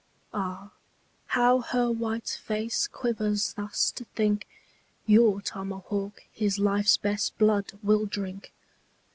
Ah, how her white face quivers thus to think, Your tomahawk his life's best blood will drink.